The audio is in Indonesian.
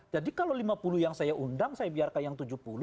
jadi kalau lima puluh yang saya undang saya biarkan yang tujuh puluh